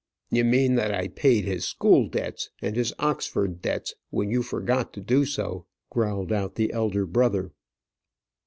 "You mean that I paid his school debts and his Oxford debts when you forgot to do so," growled out the elder brother.